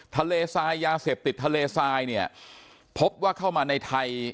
ทะเลทรายยาเสพติดทะเลทรายเนี่ยพบว่าเข้ามาในไทย